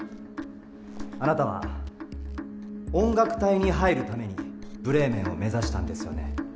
あなたは音楽隊に入るためにブレーメンを目指したんですよね？